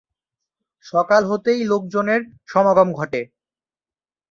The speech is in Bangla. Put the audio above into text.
সকাল হতেই লোকজনের সমাগম ঘটে।